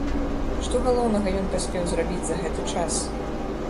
Што галоўнага ён паспеў зрабіць за гэты час?